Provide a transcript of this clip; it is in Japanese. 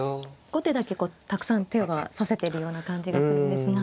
後手だけこうたくさん手が指せているような感じがするんですが。